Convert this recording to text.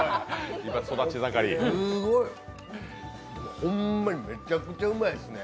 すごい、でもホンマにめちゃくちゃうまいですね。